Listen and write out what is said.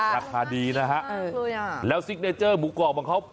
ราคาดีนะฮะแล้วซิกเนเจอร์หมูกรอบของเขา